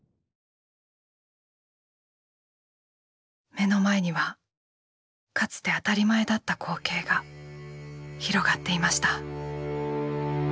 目の前にはかつて当たり前だった光景が広がっていました。